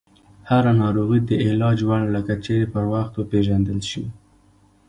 هره ناروغي د علاج وړ ده، که چیرې پر وخت وپېژندل شي.